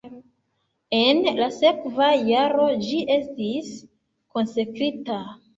En la sekva jaro ĝi estis konsekrita.